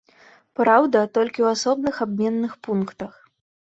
Праўда, толькі ў асобных абменных пунктах.